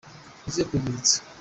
uze kunyibutsa.